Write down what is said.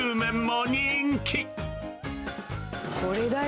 これだよ。